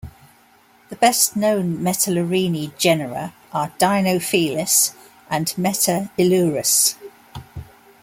The best known Metalurini genera are "Dinofelis" and "Metailurus".